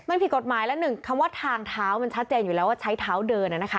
มันผิดกฎหมายแล้วหนึ่งคำว่าทางเท้ามันชัดเจนอยู่แล้วว่าใช้เท้าเดิน